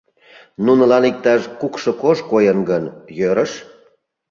Нунылан иктаж кукшо кож койын гын, йӧрыш.